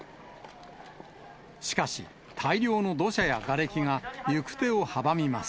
しかし、大量の土砂やがれきが行く手を阻みます。